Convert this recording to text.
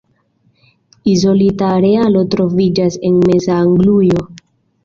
Izolita arealo troviĝas en meza Anglujo.